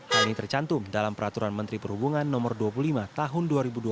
hal ini tercantum dalam peraturan menteri perhubungan no dua puluh lima tahun dua ribu dua puluh